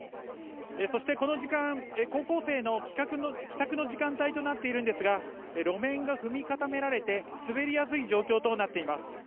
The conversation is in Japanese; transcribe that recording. そしてこの時間、高校生の帰宅の時間帯となっているんですが、路面が踏み固められて滑りやすい状況となっています。